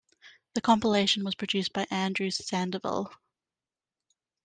The compilation was produced by Andrew Sandoval.